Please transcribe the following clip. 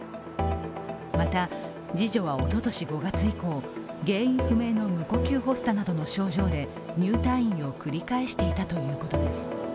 また、次女はおととし５月以降、原因不明の無呼吸発作などの症状で入退院を繰り返していたということです。